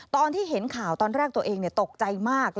ตอนที่เห็นข่าวตอนแรกตัวเองตกใจมาก